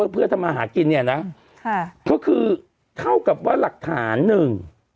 เพราะคือเข้ากับว่าหลักฐานหนึ่ง